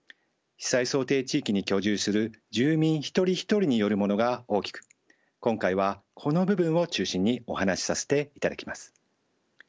被災想定地域に居住する住民一人一人によるものが大きく今回はこの部分を中心にお話しさせていただきます。